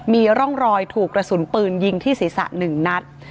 มีร่องรอยถูกกระสุนปืนยิงที่ศีรษะ๑นัด